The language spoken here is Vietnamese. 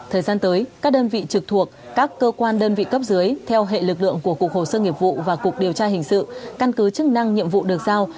thời gian tới các đơn vị trực thuộc các cơ quan đơn vị cấp dưới theo hệ lực lượng của cục hồ sơ nghiệp vụ và cục điều tra hình sự căn cứ chức năng nhiệm vụ được giao